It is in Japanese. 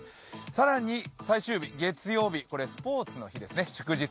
更に最終日、月曜日、これスポーツの日ですね、祝日。